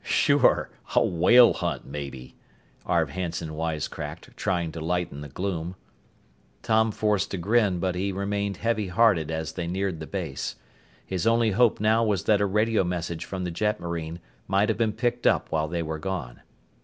"Sure! A whale hunt, maybe!" Arv Hanson wisecracked, trying to lighten the gloom. Tom forced a grin, but he remained heavy hearted as they neared the base. His only hope now was that a radio message from the jetmarine might have been picked up while they were gone.